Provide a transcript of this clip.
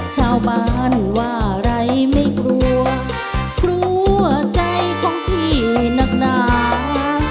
ชาวบ้านว่าอะไรไม่กลัวกลัวใจของพี่นักหนา